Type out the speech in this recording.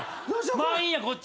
満員やこっち。